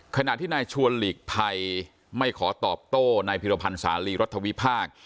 ขณะที่นายชวนหลีกไทยไม่ขอตอบโต้ในภิรพรรณศาลีรัฐวิพาค